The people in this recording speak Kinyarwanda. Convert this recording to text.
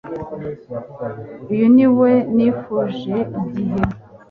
uyu niwo nifuje igihe